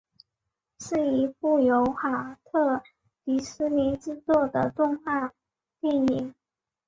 是一部由华特迪士尼制作的动画电影。